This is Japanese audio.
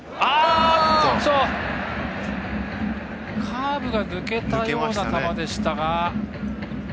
カーブが抜けたような球でしたが。